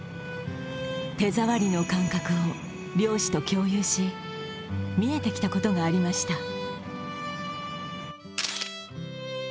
手触りの感覚を漁師と共有し見えてきたことがありました。